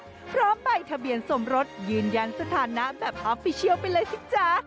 พร้อมใบทะเบียนสมรสยืนยันสถานะแบบออฟฟิเชียลไปเลยสิจ๊ะ